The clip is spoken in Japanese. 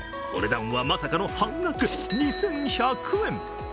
お値段はまさかの半額２１００円。